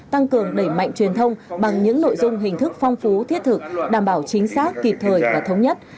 tăng cường đẩy mạnh truyền thông bằng những nội dung hình thức phong phú thiết thực đảm bảo chính xác kịp thời và thống nhất